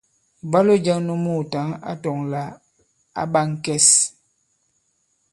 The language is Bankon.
Ìbwalo jɛ̄ŋ nu muùtaŋ a tɔ̄ŋ lā ǎ ɓā ŋ̀kɛs.